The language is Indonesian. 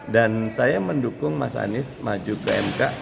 dan saya mendukung mas anies maju ke mk